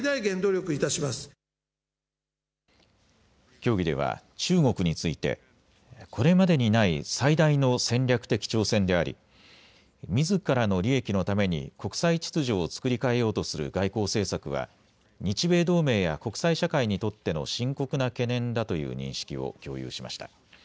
協議では中国についてこれまでにない最大の戦略的挑戦でありみずからの利益のために国際秩序を作り替えようとする外交政策は日米同盟や国際社会にとっての深刻な懸念だという認識を共有しました。